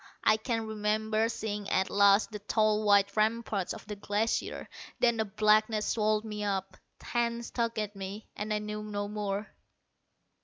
I can remember seeing at last the tall white ramparts of the Glacier. Then a blackness swallowed me up, hands tugged at me, and I knew no more....